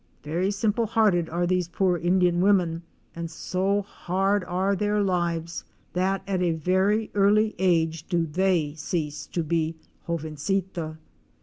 Very simple hearted are these poor Indian women and so hard are their lives that at a very early age do they cease to be jovencita.